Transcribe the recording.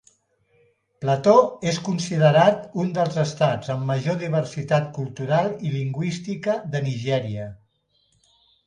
Plateau és considerat un dels estats amb major diversitat cultural i lingüística de Nigèria.